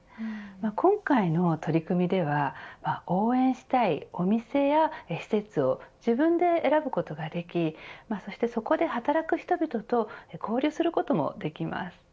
今回の取り組みでは応援したいお店や施設を自分で選ぶことができそして、そこで働く人々と交流することもできます。